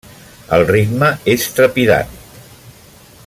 El ritme és trepidant.